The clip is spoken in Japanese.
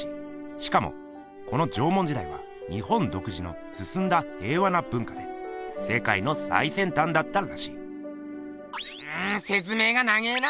しかもこの縄文時代は日本独自の進んだ平和な文化で世界の最先端だったらしい説明が長えな！